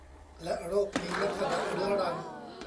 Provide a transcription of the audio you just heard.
และโรคมีลักษณะเรื้อรัง